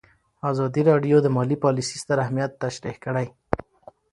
ازادي راډیو د مالي پالیسي ستر اهميت تشریح کړی.